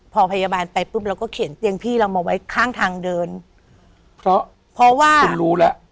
พอพยาบาลไปปุ๊บเราก็เข็นเตียงพี่เรามาไว้ข้างทางเดินเพราะเพราะว่าคุณรู้แล้ว